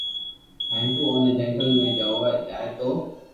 ھين تو اوني جنگل ۾ جووا جائي تو